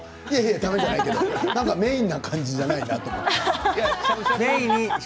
だめじゃないけどメインな感じじゃないかなと。